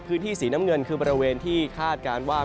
พื้นที่สีน้ำเงินคือบริเวณที่คาดการณ์ว่า